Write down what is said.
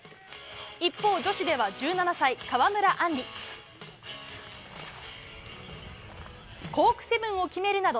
一方、女子では１７歳、川村あんり。